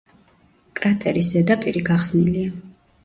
კრატერის ზედაპირი გახსნილია.